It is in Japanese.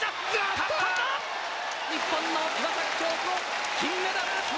日本の岩崎恭子金メダル！